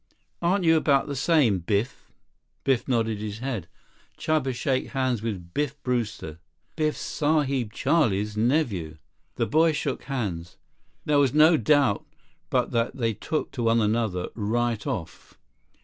"Aren't you about the same, Biff?" Biff nodded his head. "Chuba, shake hands with Biff Brewster. Biff's Sahib Charlie's nephew." The boys shook hands. There was no doubt but that they took to one another right off.